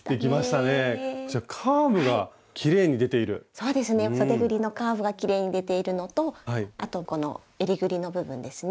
そうですねそでぐりのカーブがきれいに出ているのとあとこのえりぐりの部分ですね